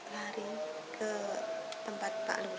lari ke tempat pak luhur